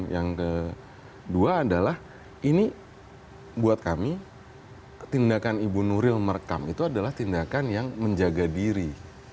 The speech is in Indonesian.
yang kedua adalah ini buat kami tindakan ibu nuril merekam itu adalah tindakan yang menjaga diri